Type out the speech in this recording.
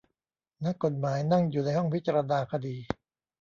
นักกฏหมายนั่งอยู่ในห้องพิจารณาคดี